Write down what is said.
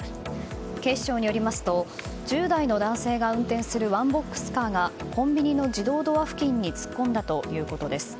警視庁によりますと１０代の男性が運転するワンボックスカーがコンビニの自動ドア付近に突っ込んだということです。